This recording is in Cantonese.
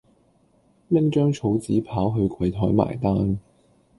拎張草紙跑去櫃枱埋單